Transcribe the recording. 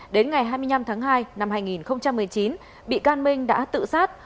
đến ngày hai mươi năm tháng hai năm hai nghìn một mươi chín bị can minh đã tự sát